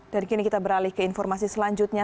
dan kini kita beralih ke informasi selanjutnya